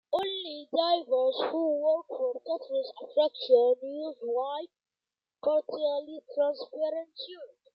Only divers who work for tourist attractions use white, partially transparent suits.